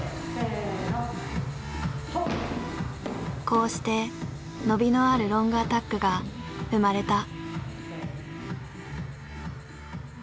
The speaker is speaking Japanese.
こうして伸びのあるロングアタックが生まれた。